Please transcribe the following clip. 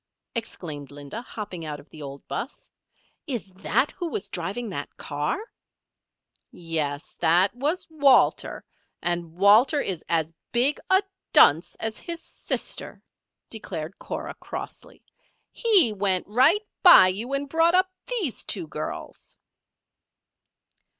exclaimed Linda, hopping out of the old 'bus. "Is that who was driving that car?" "Yes. That was Walter. And Walter is as big a dunce as his sister," declared Cora, crossly. "He went right by you and brought up these two girls."